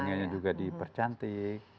sungainya juga dipercantik